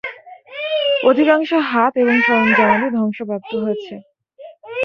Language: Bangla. অধিকাংশ হাত এবং সরঞ্জামাদি ধ্বংসপ্রাপ্ত হয়েছে।